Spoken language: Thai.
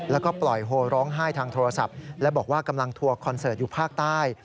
แล้วก็ปล่อยโฮร้องไห้ทางโทรศัพท์และบอกว่ากำลังทัวร์คอนเสิร์ตอยู่ภาคใต้